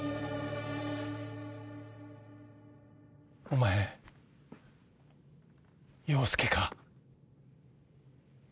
お前洋介か？